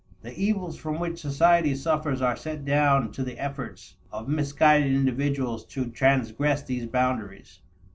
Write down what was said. The evils from which society suffers are set down to the efforts of misguided individuals to transgress these boundaries.